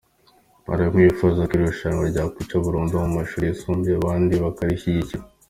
Hari bamwe bifuza ko iri rushanwa ryacika burundu mu mashuri yisumbuye, abandi bakarishyigikira.